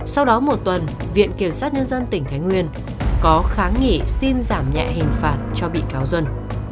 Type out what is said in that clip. sau đó một tuần viện kiểm sát nhân dân tỉnh thái nguyên có kháng nghị xin giảm nhẹ hình phạt cho bị cáo duân